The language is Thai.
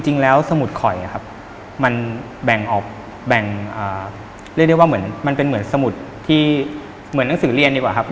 จริงแล้วสมุดข่อยมันเป็นเหมือนสมุดที่เหมือนหนังสือเรียนดีกว่าครับ